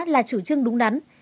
là chủ trương đúng đắn